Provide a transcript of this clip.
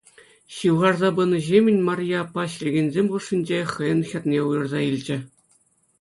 Ҫывхарса пынӑ ҫемӗн Марье аппа ӗҫлекенсем хушшинче хӑйӗн хӗрне уйӑрса илчӗ.